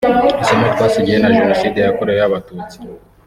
“Isomo twasigiwe na Jenoside yakorewe abatutsi